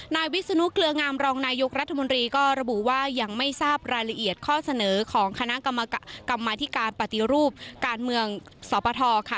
นายวิศนุเกลืองามรองนายกรัฐมนตรีก็ระบุว่ายังไม่ทราบรายละเอียดข้อเสนอของคณะกรรมการปฏิรูปการเมืองสปทค่ะ